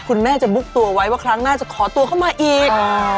คุณแม่จะบุ๊กตัวไว้ว่าครั้งหน้าจะขอตัวเข้ามาอีก